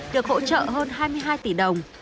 được hỗ trợ hơn hai mươi hai tỷ đồng